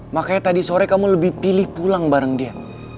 makanya tadi sore kamu lebih pilih pulang bareng dia